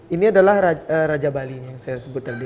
ini adalah raja bali yang saya sebut tadi